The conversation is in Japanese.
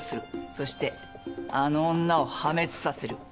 そしてあの女を破滅させる。